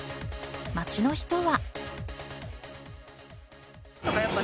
街の人は。